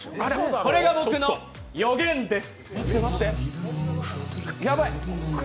これが僕の予言です。